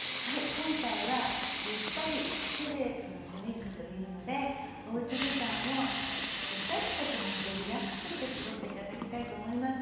今回は「ゆったりシルエットのチュニック」というのでおうち時間をゆったりした気持ちでリラックスして過ごして頂きたいと思います。